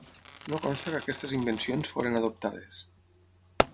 No consta que aquestes invencions foren adoptades.